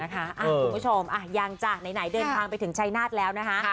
คุณผู้ชมยังจ้ะไหนเดินทางไปถึงชายนาฏแล้วนะคะ